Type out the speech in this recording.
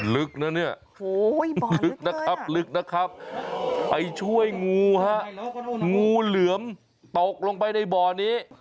ลึกนะเนี่ยลึกนะครับลึกนะครับไปช่วยงูฮะงูเหลือมตกลงไปในบ่อนี้